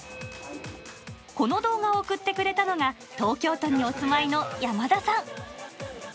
この動画を送ってくれたのが、東京都にお住いの山田さん。